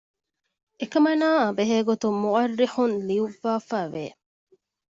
އެކަމަނާއާއި ބެހޭގޮތުން މުއައްރިޚުން ލިޔުއްވައިފައިވެ